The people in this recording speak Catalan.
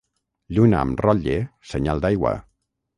Lluna amb rotlle, senyal d'aigua.